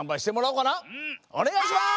おねがいします！